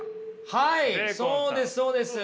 はいそうですそうです。